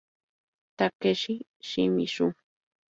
Takeshi Shimizu